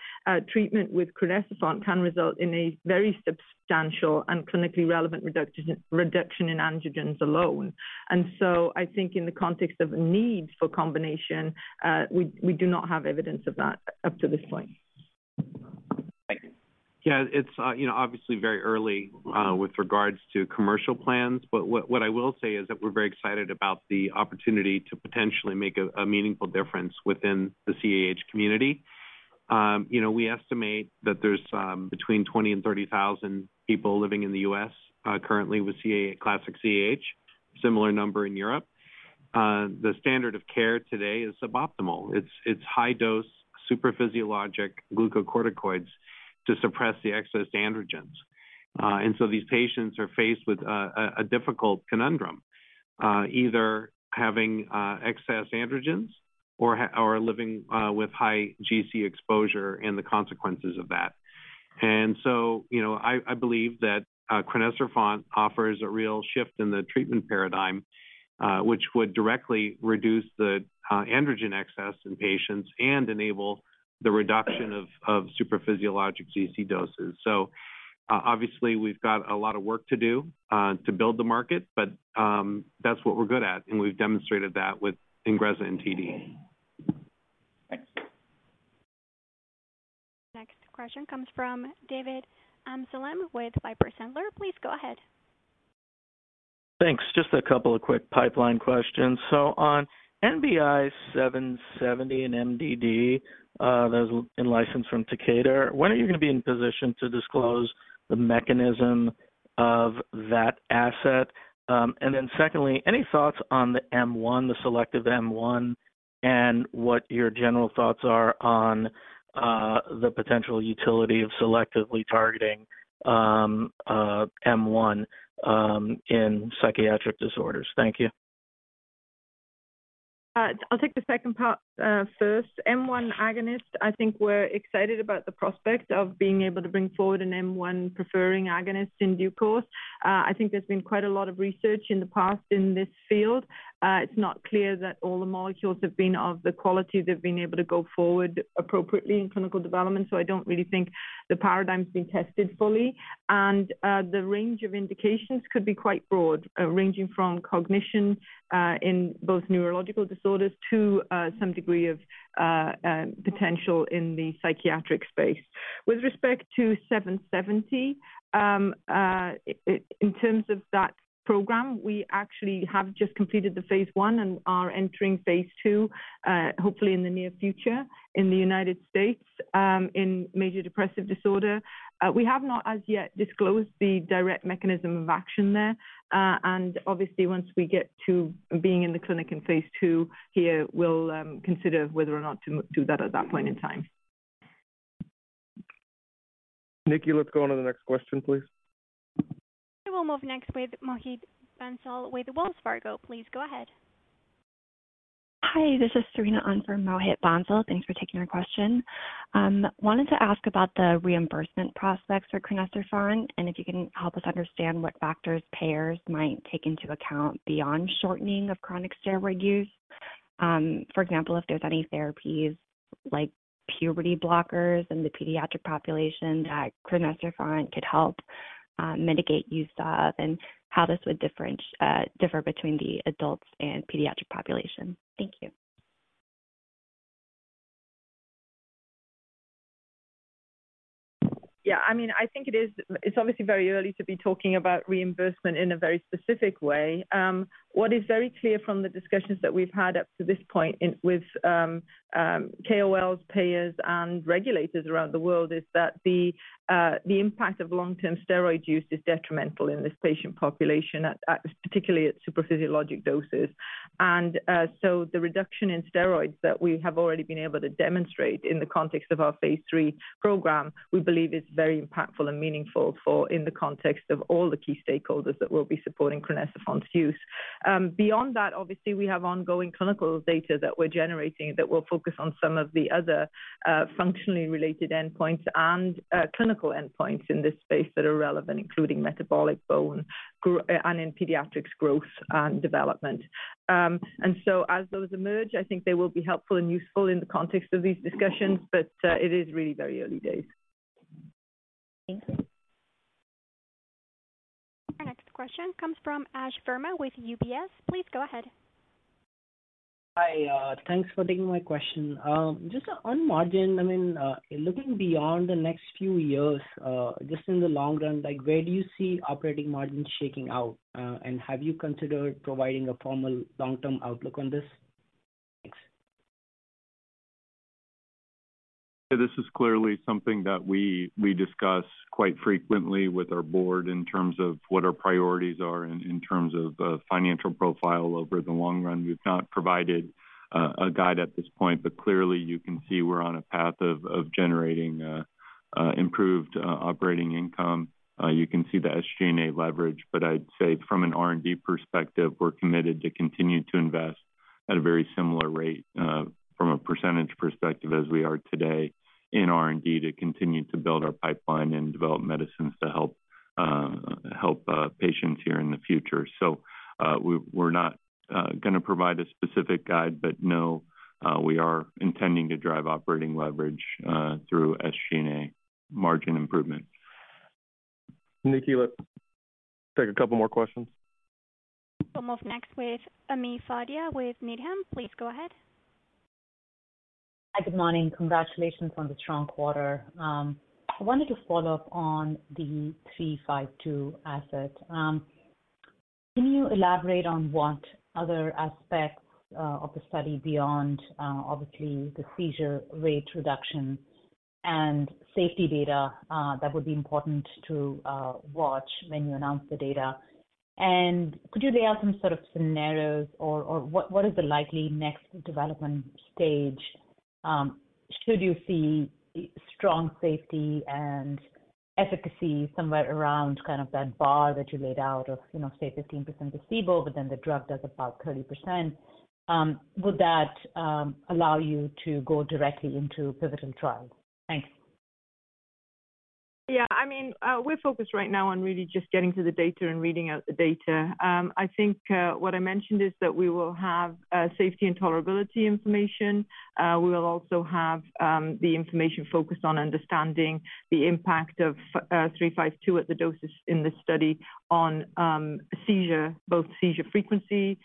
treatment with crinecerfont can result in a very substantial and clinically relevant reduction in androgens alone. And so I think in the context of a need for combination, we do not have evidence of that up to this point. Thanks. Yeah, it's you know, obviously very early with regards to commercial plans. But what I will say is that we're very excited about the opportunity to potentially make a meaningful difference within the CAH community. You know, we estimate that there's between 20,000 and 30,000 people living in the U.S. currently with classic CAH. Similar number in Europe. The standard of care today is suboptimal. It's high dose, supraphysiologic glucocorticoids to suppress the excess androgens. And so these patients are faced with a difficult conundrum, either having excess androgens or living with high GC exposure and the consequences of that. And so, you know, I believe that crinecerfont offers a real shift in the treatment paradigm, which would directly reduce the androgen excess in patients and enable the reduction of supraphysiologic GC doses. So, obviously, we've got a lot of work to do to build the market, but that's what we're good at, and we've demonstrated that with INGREZZA and TD. Thanks. Next question comes from David Amsellem with Piper Sandler. Please go ahead. Thanks. Just a couple of quick pipeline questions. So on NBI-1070770 and MDD, that's in license from Takeda, when are you going to be in position to disclose the mechanism of that asset? And then secondly, any thoughts on the M1, the selective M1, and what your general thoughts are on the potential utility of selectively targeting M1 in psychiatric disorders? Thank you. I'll take the second part first. M1 agonist, I think we're excited about the prospect of being able to bring forward an M1 preferring agonist in due course. I think there's been quite a lot of research in the past in this field. It's not clear that all the molecules have been of the quality that have been able to go forward appropriately in clinical development, so I don't really think the paradigm's been tested fully. And the range of indications could be quite broad, ranging from cognition in both neurological disorders to some degree of potential in the psychiatric space. With respect to NBI-1070770, in terms of that program, we actually have just completed the Phase 1 and are entering Phase 2, hopefully in the near future in the United States, in major depressive disorder. We have not as yet disclosed the direct mechanism of action there. And obviously, once we get to being in the clinic in Phase 2 here, we'll consider whether or not to do that at that point in time. Nikki, let's go on to the next question, please. We'll move next with Mohit Bansal with Wells Fargo. Please go ahead. Hi, this is Serena on for Mohit Bansal. Thanks for taking our question. Wanted to ask about the reimbursement prospects for crinecerfont, and if you can help us understand what factors payers might take into account beyond shortening of chronic steroid use. For example, if there's any therapies like puberty blockers in the pediatric population that crinecerfont could help mitigate use of, and how this would differ between the adults and pediatric population. Thank you. Yeah, I mean, I think it is... It's obviously very early to be talking about reimbursement in a very specific way. What is very clear from the discussions that we've had up to this point with KOLs, payers, and regulators around the world is that the impact of long-term steroid use is detrimental in this patient population, particularly at supraphysiologic doses... And so the reduction in steroids that we have already been able to demonstrate in the context of our Phase 3 program, we believe is very impactful and meaningful for in the context of all the key stakeholders that will be supporting crinecerfont's use. Beyond that, obviously, we have ongoing clinical data that we're generating that will focus on some of the other functionally related endpoints and clinical endpoints in this space that are relevant, including metabolic bone growth, and in pediatrics, growth and development. And so as those emerge, I think they will be helpful and useful in the context of these discussions, but it is really very early days. Thank you. Our next question comes from Ash Verma with UBS. Please go ahead. Hi, thanks for taking my question. Just on margin, I mean, looking beyond the next few years, just in the long run, like, where do you see operating margins shaking out? And have you considered providing a formal long-term outlook on this? Thanks. This is clearly something that we discuss quite frequently with our board in terms of what our priorities are in terms of financial profile over the long run. We've not provided a guide at this point, but clearly you can see we're on a path of generating improved operating income. You can see the SG&A leverage, but I'd say from an R&D perspective, we're committed to continue to invest at a very similar rate from a percentage perspective, as we are today in R&D, to continue to build our pipeline and develop medicines to help patients here in the future. So, we're not gonna provide a specific guide, but know we are intending to drive operating leverage through SG&A margin improvement. Nikki, let's take a couple more questions. We'll move next with Ami Fadia, with Needham. Please go ahead. Hi, good morning. Congratulations on the strong quarter. I wanted to follow up on the 352 asset. Can you elaborate on what other aspects of the study beyond obviously the seizure rate reduction and safety data that would be important to watch when you announce the data? And could you lay out some sort of scenarios or what is the likely next development stage should you see strong safety and efficacy somewhere around kind of that bar that you laid out of, you know, say, 15% placebo, but then the drug does about 30%? Would that allow you to go directly into pivotal trials? Thanks. Yeah, I mean, we're focused right now on really just getting to the data and reading out the data. I think what I mentioned is that we will have safety and tolerability information. We will also have the information focused on understanding the impact of NBI-352 at the doses in this study on seizure, both seizure frequency,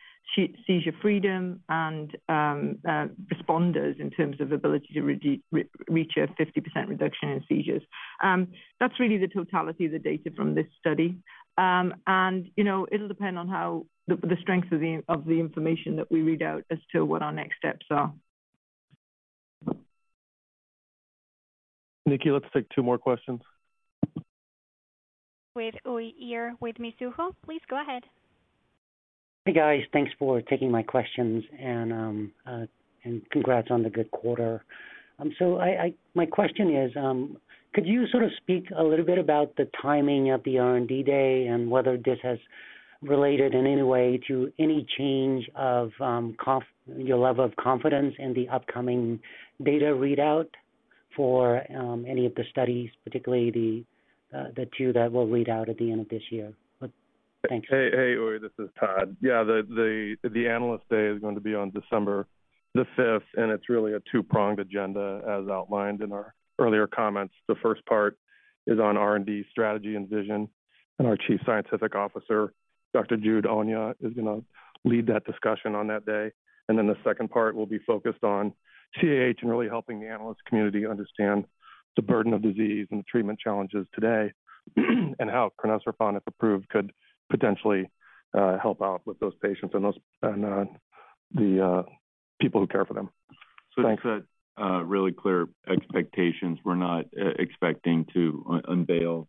seizure freedom, and responders in terms of ability to reach a 50% reduction in seizures. That's really the totality of the data from this study. And, you know, it'll depend on how the strength of the information that we read out as to what our next steps are. Nikki, let's take two more questions. With Uy Ear, with Mizuho. Please go ahead. Hey, guys. Thanks for taking my questions, and congrats on the good quarter. So my question is, could you sort of speak a little bit about the timing of the R&D Day and whether this has related in any way to any change of your level of confidence in the upcoming data readout for any of the studies, particularly the two that will read out at the end of this year? Thanks. Hey, Uy. This is Todd. Yeah, the Analyst Day is going to be on December the fifth, and it's really a two-pronged agenda, as outlined in our earlier comments. The first part is on R&D strategy and vision, and our Chief Scientific Officer, Dr. Jude Onyia, is gonna lead that discussion on that day. Then the second part will be focused on CAH and really helping the analyst community understand the burden of disease and the treatment challenges today, and how crinecerfont, if approved, could potentially help out with those patients and those people who care for them. Thanks. So to set really clear expectations, we're not expecting to unveil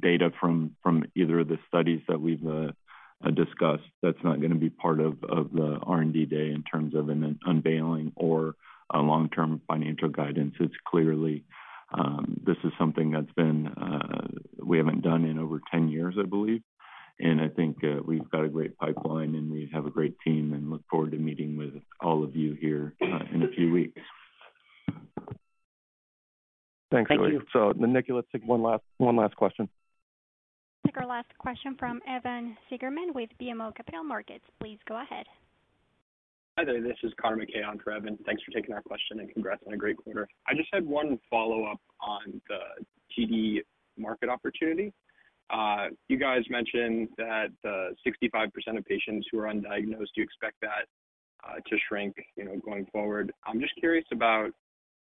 data from either of the studies that we've discussed. That's not gonna be part of the R&D Day in terms of an unveiling or a long-term financial guidance. It's clearly this is something that we haven't done in over 10 years, I believe. And I think we've got a great pipeline, and we have a great team and look forward to meeting with all of you here in a few weeks. Thank you. Thanks, Uy. So, Nikki, let's take one last, one last question. Take our last question from Evan Seigerman with BMO Capital Markets. Please go ahead. Hi there, this is Connor McKay on for Evan. Thanks for taking our question, and congrats on a great quarter. I just had one follow-up on the TD market opportunity. You guys mentioned that 65% of patients who are undiagnosed, you expect that to shrink, you know, going forward. I'm just curious about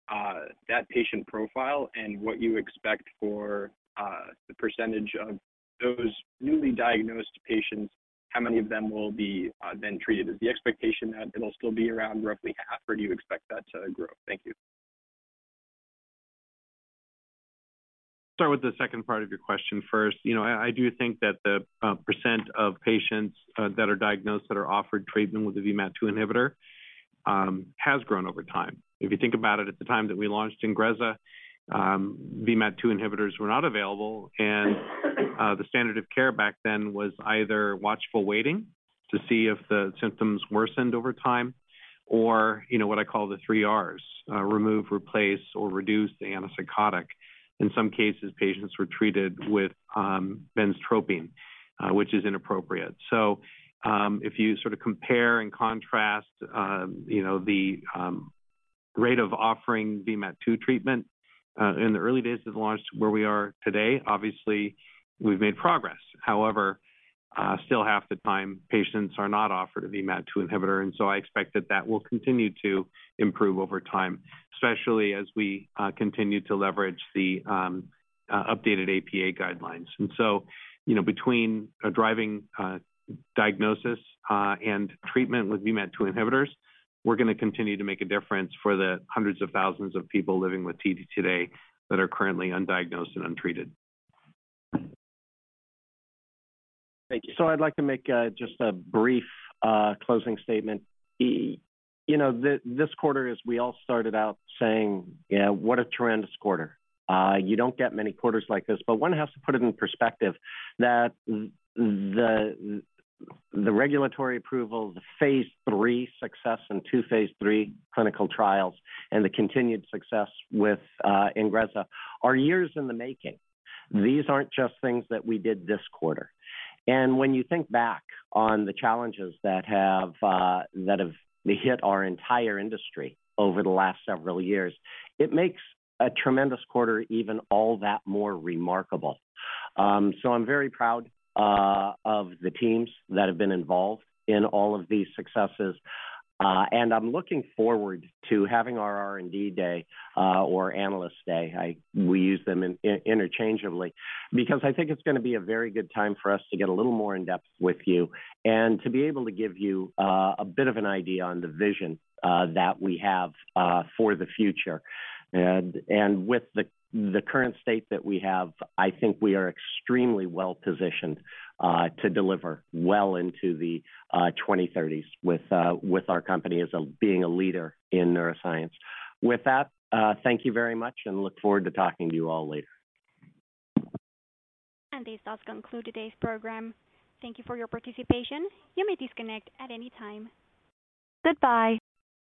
that patient profile and what you expect for the percentage of those newly diagnosed patients, how many of them will be then treated? Is the expectation that it'll still be around roughly half, or do you expect that to grow? Thank you. ... Start with the second part of your question first. You know, I, I do think that the percent of patients that are diagnosed, that are offered treatment with the VMAT2 inhibitor has grown over time. If you think about it, at the time that we launched INGREZZA, VMAT2 inhibitors were not available, and the standard of care back then was either watchful waiting to see if the symptoms worsened over time, or, you know, what I call the three R's: remove, replace, or reduce the antipsychotic. In some cases, patients were treated with benztropine, which is inappropriate. So, if you sort of compare and contrast, you know, the rate of offering VMAT2 treatment in the early days of the launch to where we are today, obviously we've made progress. However, still half the time patients are not offered a VMAT2 inhibitor, and so I expect that that will continue to improve over time, especially as we continue to leverage the updated APA guidelines. And so, you know, between driving diagnosis and treatment with VMAT2 inhibitors, we're going to continue to make a difference for the hundreds of thousands of people living with TD today that are currently undiagnosed and untreated. Thank you. So I'd like to make just a brief closing statement. You know, this quarter, as we all started out saying, yeah, what a tremendous quarter. You don't get many quarters like this, but one has to put it in perspective that the, the regulatory approval, the Phase 3 success and two Phase 3 clinical trials, and the continued success with, INGREZZA, are years in the making. These aren't just things that we did this quarter. When you think back on the challenges that have, that have hit our entire industry over the last several years, it makes a tremendous quarter even all that more remarkable. So I'm very proud of the teams that have been involved in all of these successes. And I'm looking forward to having our R&D Day, or Analyst Day, I... We use them interchangeably, because I think it's going to be a very good time for us to get a little more in depth with you and to be able to give you a bit of an idea on the vision that we have for the future. With the current state that we have, I think we are extremely well positioned to deliver well into the 2030s with our company as a being a leader in neuroscience. With that, thank you very much, and look forward to talking to you all later. This does conclude today's program. Thank you for your participation. You may disconnect at any time. Goodbye.